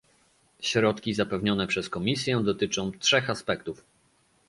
Środki zapewnione przez Komisję dotyczą trzech aspektów